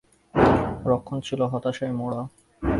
রক্ষণ ছিল হতাশায় মোড়া।